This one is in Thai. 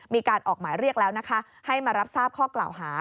มีการออกหมายเรียกแล้วนะคะให้มารับทราบข้อกล่าวหา